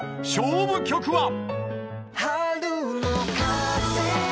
［勝負曲は］